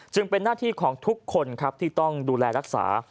เป็นหน้าที่ของทุกคนครับที่ต้องดูแลรักษา